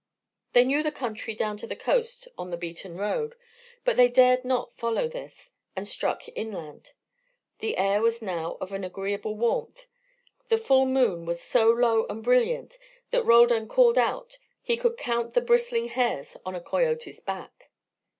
They knew the country down the coast on the beaten road, but they dared not follow this, and struck inland. The air was now of an agreeable warmth; the full moon was so low and brilliant that Roldan called out he could count the bristling hairs on a coyote's back.